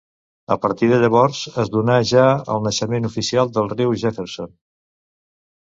A partir de llavors, es dóna ja el naixement oficial del riu Jefferson.